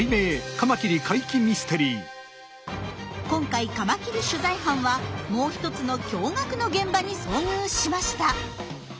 今回カマキリ取材班はもう一つの驚がくの現場に遭遇しました。